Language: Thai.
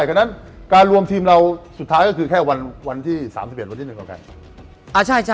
ฉะนั้นการรวมทีมเราสุดท้ายก็คือแค่วันที่๓๑วันที่๑กว่ากัน